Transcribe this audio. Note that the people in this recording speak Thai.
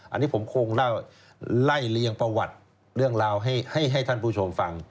อันนี้ผมคงเล่าไล่เลียงประวัติเรื่องราวให้ท่านผู้ชมฟัง